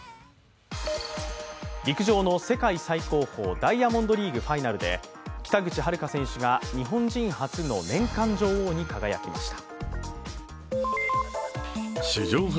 陸上の世界最高峰、ダイヤモンドリーグファイナルで北口榛花選手が日本人初の年間女王に輝きました。